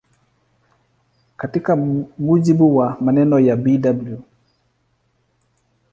Katika mujibu wa maneno ya Bw.